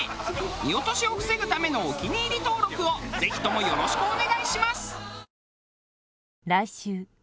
見落としを防ぐためのお気に入り登録をぜひともよろしくお願いします。